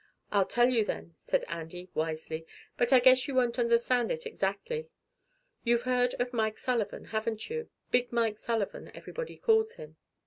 "I'll tell you then," said Andy wisely; "but I guess you won't understand it exactly. You've heard of Mike Sullivan, haven't you? 'Big Mike' Sullivan, everybody calls him."